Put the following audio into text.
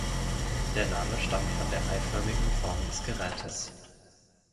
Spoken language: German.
Der Name stammt von der eiförmigen Form des Gerätes.